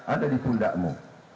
ada di pundakmu